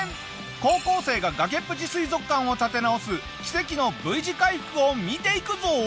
高校生が崖っぷち水族館を立て直す奇跡のＶ字回復を見ていくぞ！